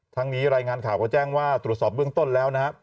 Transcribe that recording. ทั้งนี้รายงานข่าวก็แจ้งว่าตรวจสอบเบื้องต้นแล้วนะครับ